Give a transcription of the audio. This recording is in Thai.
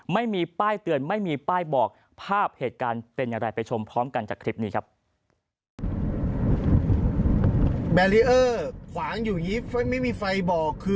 ไม่มีป้ายเตือนไม่มีป้ายบอกภาพเหตุการณ์เป็นอย่างไรไปชมพร้อมกันจากคลิปนี้ครับ